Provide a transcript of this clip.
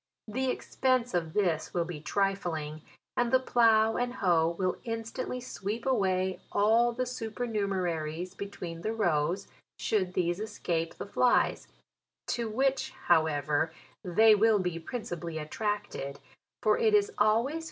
The ex pense of this will be trifling, and the plough and faoe will instantly sweep away all the su pernumeraries between the rows, should these escape the flies ; to which, however, they will be principally attracted, for it is always 160 JULY.